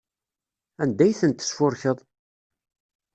Anda ay tent-tesfurkeḍ?